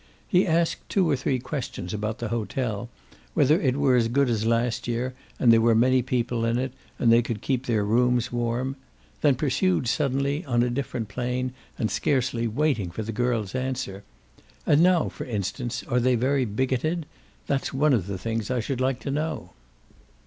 He asked two or three questions about the hotel, whether it were as good as last year and there were many people in it and they could keep their rooms warm; then pursued suddenly, on a different plane and scarcely waiting for the girl's answer: "And now for instance are they very bigoted? That's one of the things I should like to know."